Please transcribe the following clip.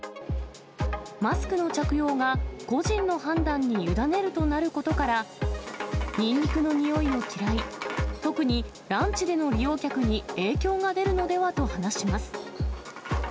マスクの着用が個人の判断に委ねるとなることから、ニンニクの臭いを嫌い、特にランチでの利用客に影響が出るのではと話します。